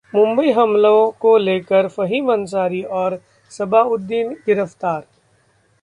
मुंबई हमलों को लेकर फहीम अंसारी और सबाबुद्दीन गिरफ्तार